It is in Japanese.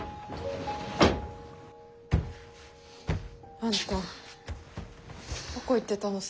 あんたどこ行ってたのさ。